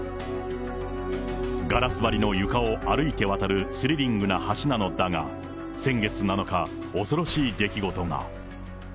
ガラス張りの床を歩いて渡るスリリングな橋なのだが、先月７日、恐ろしい出来事が。